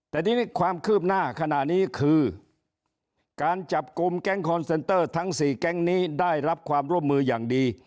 แต่ทีนี้ความคืบหน้าขณะนี้คือการจับกลุ่มแก๊งคอนเซนเตอร์ทั้ง๔แก๊งนี้ได้รับความร่วมมืออย่างดี